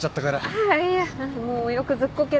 ああいやもうよくずっこけるんで。